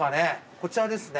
こちらですね。